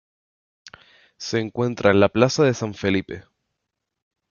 Se encuentra en la plaza de San Felipe.